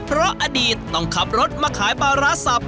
เพราะอดีตต้องขับรถมาขายปลาร้าสับ